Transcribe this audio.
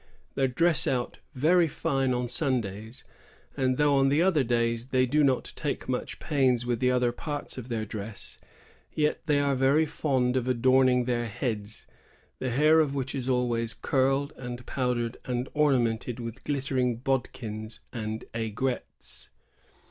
They dress out very fine on Sundays, and though on the other days they do not take much pains with the other parts of their dress, yet they are veiy fond of adorning their heads, the hair of which is always curled and powdered and ornamented with glittering bodkins and aigrettes.